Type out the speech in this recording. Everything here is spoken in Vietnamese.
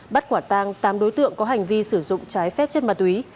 bắt quả tang tám đối tượng có hành vi sử dụng trái phép chất ma túy